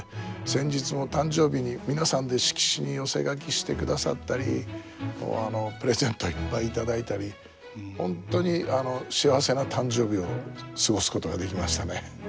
先日も誕生日に皆さんで色紙に寄せ書きしてくださったりプレゼントいっぱい頂いたり本当に幸せな誕生日を過ごすことができましたね。